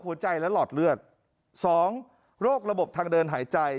เขาก็ปิดทานนี้